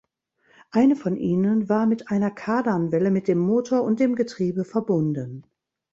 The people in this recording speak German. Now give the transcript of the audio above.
Eine von ihnen war mit einer Kardanwelle mit dem Motor und dem Getriebe verbunden.